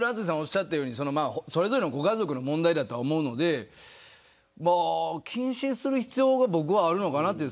それぞれのご家族の問題だと思うので謹慎する必要があるのかなと。